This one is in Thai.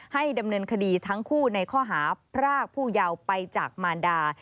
ให้ดำเนินคดีทั้งคู่ในข้อหาพรากผู้เยาว์ไปจากมารดา